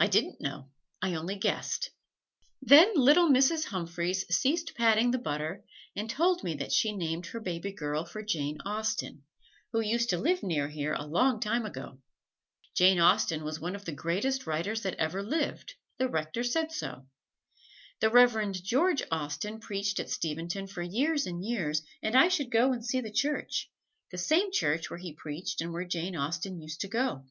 "I didn't know I only guessed." Then little Mrs. Humphreys ceased patting the butter and told me that she named her baby girl for Jane Austen, who used to live near here a long time ago. Jane Austen was one of the greatest writers that ever lived the Rector said so. The Reverend George Austen preached at Steventon for years and years, and I should go and see the church the same church where he preached and where Jane Austen used to go.